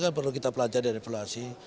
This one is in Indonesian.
kan perlu kita pelajari dan evaluasi